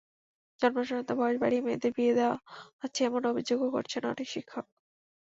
জন্মসনদে বয়স বাড়িয়ে মেয়েদের বিয়ে দেওয়া হচ্ছে এমন অভিযোগও করেছেন অনেক শিক্ষক।